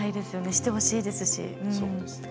してほしいですし。